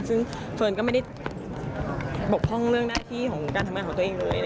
ซึ่งเฟิร์นก็ไม่ได้บกพร่องเรื่องหน้าที่ของการทำงานของตัวเองเลย